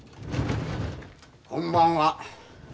こんばんは。